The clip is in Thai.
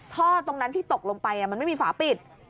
ท่อตรงนั้นที่ตกลงไปมันไม่มีฝาปิด